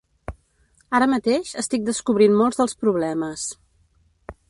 Ara mateix estic descobrint molts dels problemes.